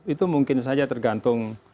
itu mungkin saja tergantung